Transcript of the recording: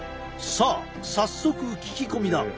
さあ早速聞き込みだ。